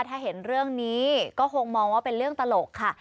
ถ้าเห็นเรื่องนี้ก็คงมองว่าเป็นเรื่องตลกค่ะ